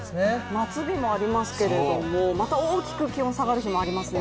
夏日もありますけれどもまた大きく気温が下がる日もありますね。